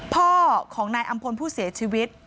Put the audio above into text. พ่อของนายอำพลผู้เสียชีวิต